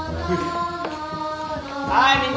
はいみんな！